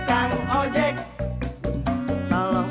akhirnya gue ke rumah